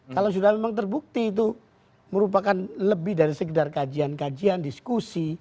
kalau sudah memang terbukti itu merupakan lebih dari sekedar kajian kajian diskusi